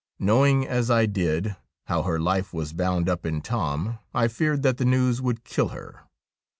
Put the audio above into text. Knowing, as I did, how her life was bound up in Tom, I feared that the news would kill her.